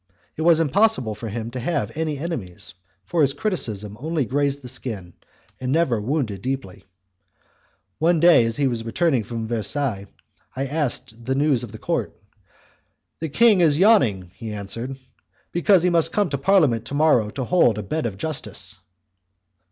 It was impossible for him to have any enemies, for his criticism only grazed the skin and never wounded deeply. One day, as he was returning from Versailles, I asked him the news of the court. "The king is yawning," he answered, "because he must come to the parliament to morrow to hold a bed of justice."